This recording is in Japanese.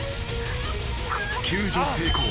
［救助成功。